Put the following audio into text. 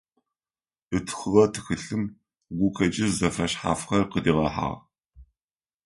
Ытхыгъэ тхылъым гукъэкӏыжь зэфэшъхьафхэр къыдигъэхьагъ.